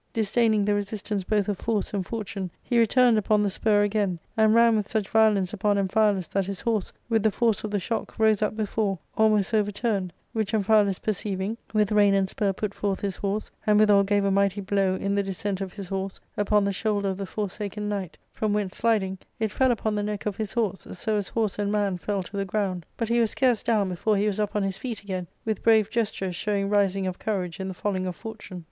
Disdaining the resistance both of force and fortune, he returned upon the spur again, and ran with such violence upon Amphialus that his horse, with the force of the shock, rose up before, almost overturned, which Amphialus perceiving, with rein and spur put forth his horse, and withal gave a mighty blow in the descent of his horse upon the shoulder of the Forsaken Knight, from whence sliding, it fell upon the neck of his horse, so as horse and man fell to the ground ; but he was scarce down before he was up on his feet again, with brave gesture showing rising of courage in the falling of fortune.